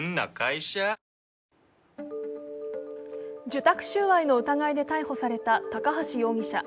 受託収賄の疑いで逮捕された高橋容疑者。